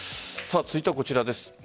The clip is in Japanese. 続いてはこちらです。